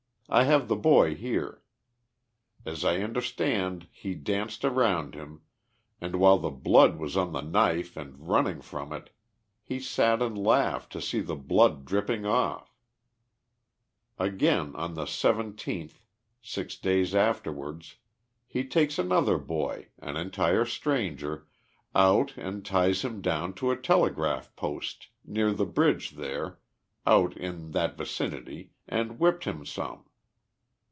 I have the boy here. As I understand he danced around him, and while the blood was on the knife and running from it, lie sat and laughed to see the blood dripping off. Again, on the 17th six days afterwards, he takes another boy, an entire stranger, out and ties him down to a telegraph 57 TIIE LIFE OF JESSE HARDIXG POMEROY. post, near the bridge there, out in that vicinity and whipped him some.